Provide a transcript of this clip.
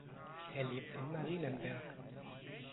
Er lebt in Marienberg.